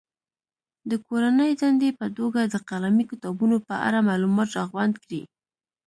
د کورنۍ دندې په توګه د قلمي کتابونو په اړه معلومات راغونډ کړي.